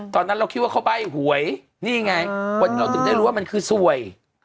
ตอนนั้นเราคิดว่าเขาใบ้หวยนี่ไงวันนี้เราถึงได้รู้ว่ามันคือสวย